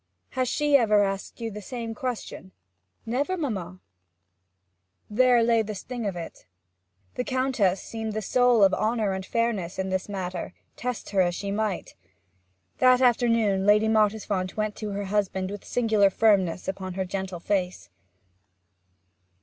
'Has she ever asked you the same question?' 'Never, mamma.' There lay the sting of it: the Countess seemed the soul of honour and fairness in this matter, test her as she might. That afternoon Lady Mottisfont went to her husband with singular firmness upon her gentle face.